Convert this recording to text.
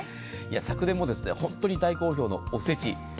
昨年も大好評のおせち。